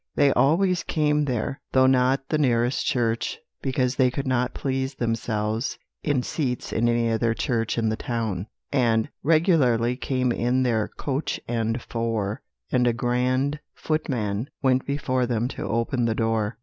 They always came there, though not the nearest church, because they could not please themselves in seats in any other church in the town, and regularly came in their coach and four, and a grand footman went before them to open the door.